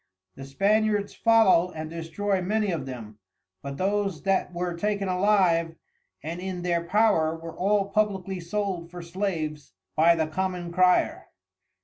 The Spaniards follow and destroy many of them, but those that were taken alive and in their power were all publickly sold for Slaves by the Common Crier.